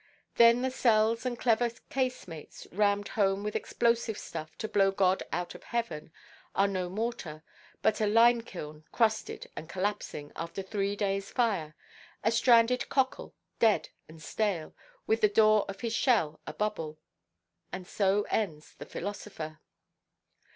Then the cells and clever casemates, rammed home with explosive stuff to blow God out of heaven, are no mortar, but a limekiln, crusted and collapsing (after three days' fire), a stranded cockle, dead and stale, with the door of his shell a bubble; and so ends the philosopher.